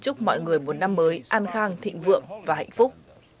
chúc mọi người một năm mới an khang thịnh vượng và hạnh phúc